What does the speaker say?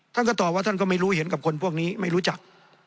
ท่านก็ตอบว่าท่านก็ไม่รู้เห็นกับคนพวกนี้ไม่รู้จัก